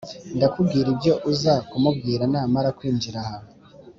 ndakubwira ibyo uza kumubwira namara kwinjira aha